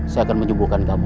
saya akan menyembuhkan kamu